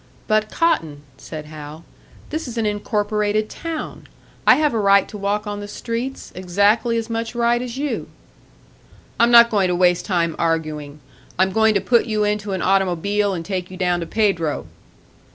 "But, Cotton," said Hal, "this is an incorporated town! I have a right to walk on the streets exactly as much right as you." "I'm not going to waste time arguing. I'm going to put you into an automobile and take you down to Pedro!"